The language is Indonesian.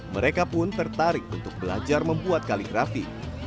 mereka pun tertarik untuk belajar membuat kaligrafi